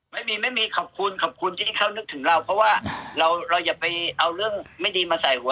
ไม่มีไม่มีขอบคุณขอบคุณที่เขานึกถึงเราเพราะว่าเราเราอย่าไปเอาเรื่องไม่ดีมาใส่หัว